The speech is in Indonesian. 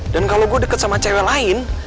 dan kalau gue deket sama cewek lain